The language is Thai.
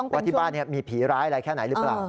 ว่าที่บ้านมีผีร้ายอะไรแค่ไหนหรือเปล่า